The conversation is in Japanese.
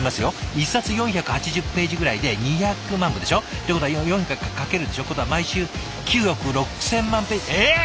一冊４８０ページぐらいで２００万部でしょ？ってことは４００掛けるでしょということは毎週９億６０００万ページえっ！